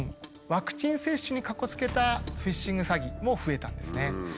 ワクチン接種にかこつけたフィッシング詐欺も増えたんですね。